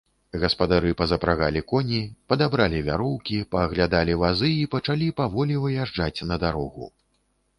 Гаспадары пазапрагалі коні, падабралі вяроўкі, пааглядалі вазы і пачалі паволі выязджаць на дарогу.